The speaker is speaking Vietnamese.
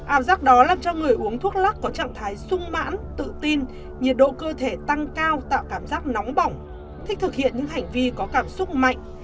ảo giác đó làm cho người uống thuốc lắc có trạng thái sung mãn tự tin nhiệt độ cơ thể tăng cao tạo cảm giác nóng bỏng thích thực hiện những hành vi có cảm xúc mạnh